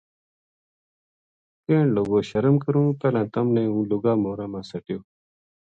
کہن لگو شرم کروں پہلاں تَم نے ہوں لُگا مورا ما سَٹیو